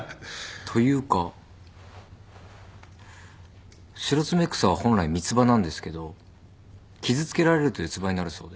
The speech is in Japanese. というかシロツメクサは本来三つ葉なんですけど傷つけられると四つ葉になるそうです。